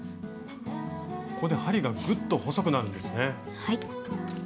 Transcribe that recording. ここで針がぐっと細くなるんですね。